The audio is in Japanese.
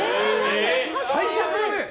最悪。